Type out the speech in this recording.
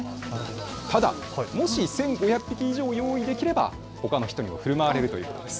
ただ、もし１５００匹以上用意できればほかの人にもふるまわれるということです。